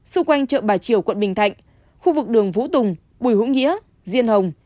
xung quanh chợ bà triều quận bình thạnh khu vực đường vũ tùng bùi hữu nghĩa diên hồng